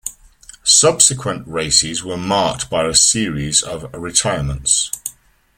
Subsequent races were marked by a series of retirements.